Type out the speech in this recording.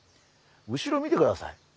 後ろ見てください。